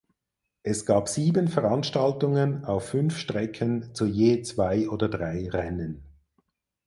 Es gab sieben Veranstaltungen auf fünf Strecken zu je zwei oder drei Rennen.